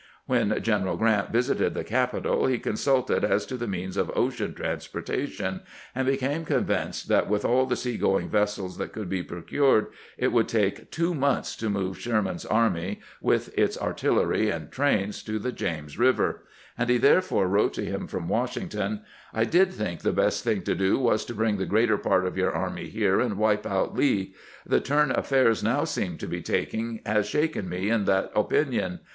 When General Grant visited the capital he consulted as to the means of ocean transportation, and became convinced that with all the sea going vessels that could be procured it would take two months to move Sherman's army, with its ar tillery and trains, to the James Eiver ; and he therefore wrote him from Washington: "I did think the best thing to do was to bring the greater part of your army here and wipe out Lee. The turn affairs now seem to be taking has shaken me in that opinion.